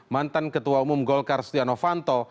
mantan ketua umum golkar setia novanto